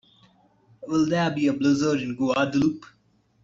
Will there be a blizzard in Guadeloupe?